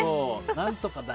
何とかだ